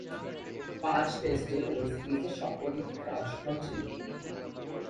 পাঁচ টেস্টের ঐ সিরিজের সবকটিতেই তার অংশগ্রহণ ছিল।